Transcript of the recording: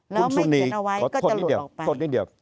แล้วไม่เห็นเอาไว้ก็จะหลุดออกไป